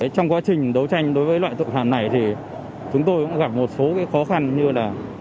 trong quá trình đấu tranh đối với loại tội phạm này thì chúng tôi cũng gặp một số khó khăn như là